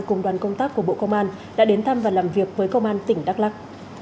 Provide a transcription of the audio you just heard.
cùng đoàn công tác của bộ công an đã đến thăm và làm việc với công an tỉnh đắk lắc